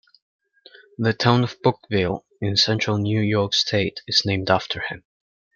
The town of Bouckville, in central New York state, is named after him.